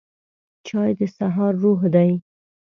چای د سهار روح دی